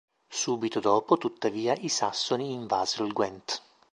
Subito dopo, tuttavia, i sassoni invasero il Gwent.